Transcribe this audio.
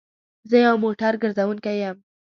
زه يو موټر ګرځونکی يم